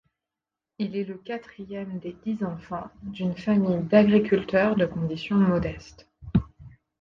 Il est le quatrième des dix enfants d'une famille d'agriculteurs de condition modeste.